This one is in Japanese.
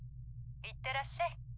行ってらっしゃい。